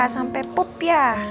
sampai pup ya